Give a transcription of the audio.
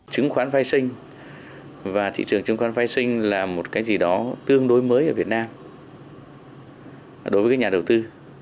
chứng khoán phái sinh và thị trường chứng khoán phái sinh là một cái gì đó tương đối mới ở việt nam đối với nhà đầu tư